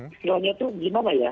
istilahnya itu gimana ya